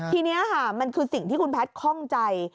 ทีนี้ค่ะมันคือสิ่งที่คุณแพทย์คล่องใจ